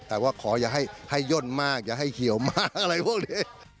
แต่ว่าขออย่าให้ย่นมากอย่าให้เขียวมากอะไรพวกนี้